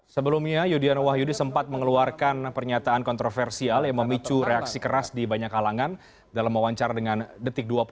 sebelumnya yudhian wahyudi sempat mengeluarkan pernyataan kontroversial yang memicu reaksi keras di banyak halangan dalam wawancara dengan detik dua puluh